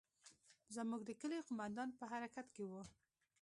زموږ د کلي قومندان په حرکت کښې و.